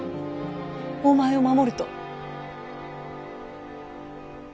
お前を守ると。